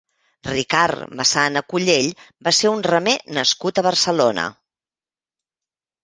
Ricard Massana Cullell va ser un remer nascut a Barcelona.